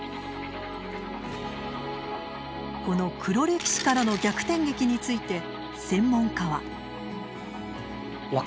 この黒歴史からの逆転劇について専門家は。